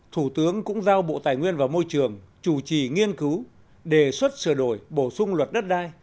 thủ tướng cũng giao bộ tài nguyên và môi trường chủ trì nghiên cứu đề xuất sửa đổi bổ sung luật đất đai